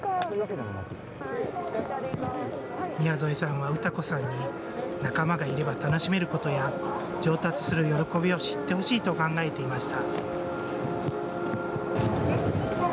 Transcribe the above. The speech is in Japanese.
宮副さんは、詩子さんに仲間がいれば楽しめることや上達する喜びを知ってほしいと考えていました。